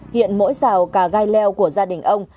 hiện mỗi xào cả gai leo của gia đình ông